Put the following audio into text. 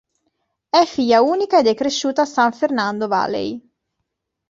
È figlia unica ed è cresciuta a San Fernando Valley.